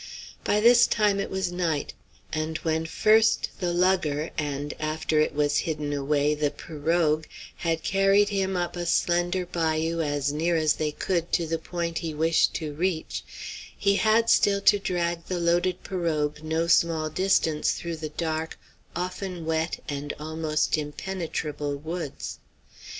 By this time it was night; and when first the lugger and, after it was hidden away, the pirogue, had carried him up a slender bayou as near as they could to the point he wished to reach, he had still to drag the loaded pirogue no small distance through the dark, often wet and almost impenetrable woods.